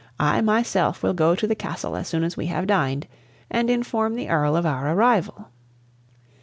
I myself will go to the Castle as soon as we have dined, and inform the Earl of our arrival."